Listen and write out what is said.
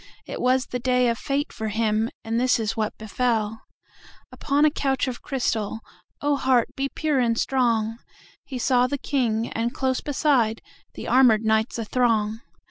It was the day of fate for him, And this is what befell:Upon a couch of crystal(Oh, heart be pure and strong!)He saw the King, and, close beside, The armored knights athrong.